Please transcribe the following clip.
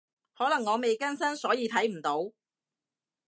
可能我未更新，所以睇唔到